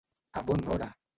A bona hora!